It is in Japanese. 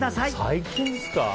最近ですか？